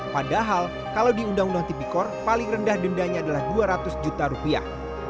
padahal kalau di undang undang tipikor paling rendah dendanya adalah dua ratus juta rupiah